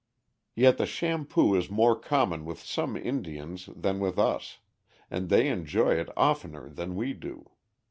Yet the shampoo is more common with some Indians than with us, and they enjoy it oftener than we do.